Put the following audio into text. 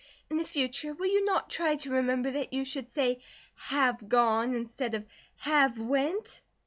In the future will you not try to remember that you should say, 'have gone,' instead of 'have went?'"